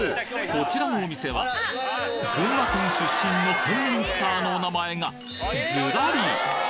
こちらのお店は群馬県出身の県民スターのお名前がズラリ